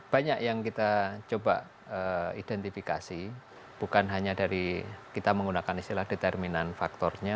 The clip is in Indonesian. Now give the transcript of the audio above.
banyak yang kita coba identifikasi bukan hanya dari kita menggunakan istilah determinan faktornya